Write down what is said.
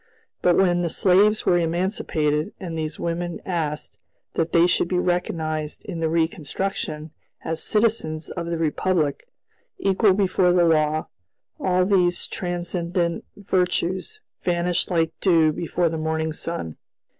But when the slaves were emancipated, and these women asked that they should be recognized in the reconstruction as citizens of the Republic, equal before the law, all these transcendent virtues vanished like dew before the morning sun.